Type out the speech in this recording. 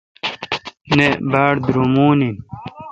تن باڑ درومون این۔